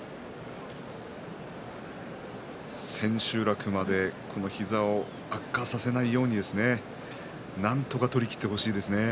千秋楽まで膝を悪化させないようになんとか取りきってほしいですね。